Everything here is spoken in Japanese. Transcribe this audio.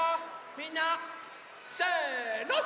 みんなせの。